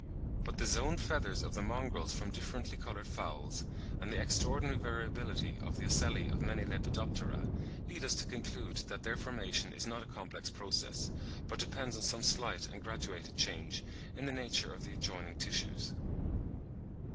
But the zoned feathers of the mongrels from differently coloured fowls, and the extraordinary variability of the ocelli on many Lepidoptera, lead us to conclude that their formation is not a complex process, but depends on some slight and graduated change in the nature of the adjoining tissues.